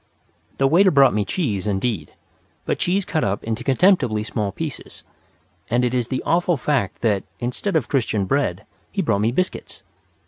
The waiter brought me cheese, indeed, but cheese cut up into contemptibly small pieces; and it is the awful fact that, instead of Christian bread, he brought me biscuits.